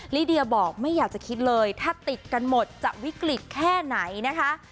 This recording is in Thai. ลิเดียบอกไม่อยากจะคิดเลยถ้าติดกันหมดจะวิกฤตแค่ไหนนะคะ